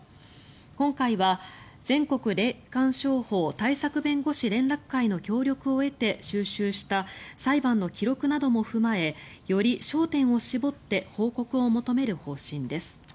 今回は全国霊感商法対策弁護士連絡会の協力を得て収集した裁判の記録なども踏まえより焦点を絞って報告を求める方針です。